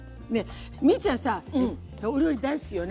ミッちゃんさお料理大好きよね。